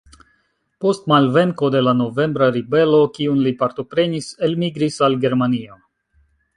Post malvenko de la novembra ribelo, kiun li partoprenis, elmigris al Germanio.